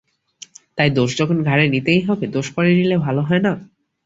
তাই দোষ যখন ঘাড়ে নিতেই হবে, দোষ করে নিলেই ভালো হয় না?